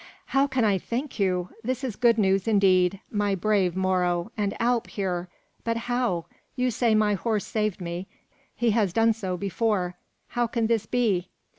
"How can I thank you? This is good news indeed. My brave Moro! and Alp here! But how? you say my horse saved me. He has done so before: how can this be?"